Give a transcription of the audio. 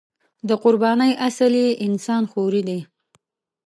د قربانۍ اصل یې انسان خوري دی.